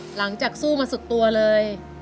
หลังจากสู้มาสุดตัวเลย